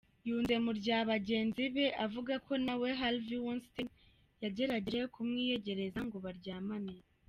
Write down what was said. Yunze mu rya bagenzi be avuga ko nawe Harvey Weinstein yagerageje kumwiyegereza ngo baryamane.